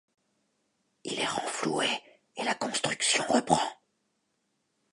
Il est renfloué et la construction reprend.